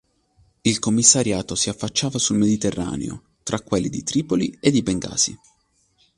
Il commissariato si affacciava sul Mediterraneo, tra quelli di Tripoli e di Bengasi.